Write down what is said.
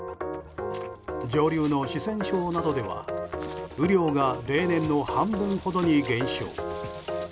上流の四川省などでは雨量が例年の半分ほどに減少。